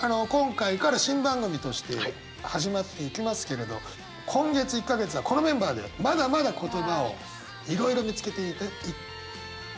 今回から新番組として始まっていきますけれど今月１か月はこのメンバーでまだまだ言葉をいろいろ見つけてい。